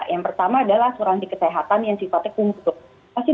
yang pertama adalah asuransi kesehatan yang sifatnya kumpul